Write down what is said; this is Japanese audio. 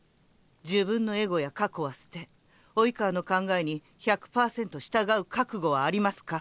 自分のエゴや過去は捨て「生川」の考えに１００％従う覚悟はありますか？